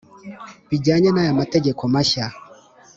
bijyanye n’aya mategeko mashya,